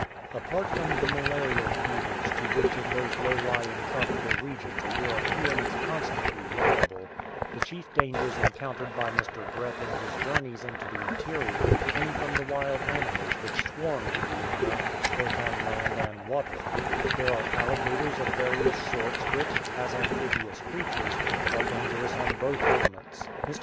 Apart from the malarial fevers to which in those low lying tropical regions a European is constantly liable, the chief dangers encountered by Mr. Brett in his journeys into the interior came from the wild animals which swarm in Guiana, both on land and water There are alligators of various sorts which, as amphibious creatures, are dangerous on both elements. Mr.